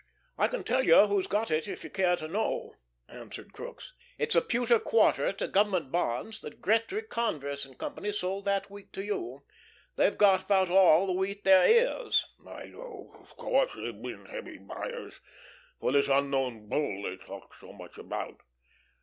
"I can tell you who's got it, if you care to know," answered Crookes. "It's a pewter quarter to Government bonds that Gretry, Converse & Co. sold that wheat to you. They've got about all the wheat there is." "I know, of course, they've been heavy buyers for this Unknown Bull they talk so much about."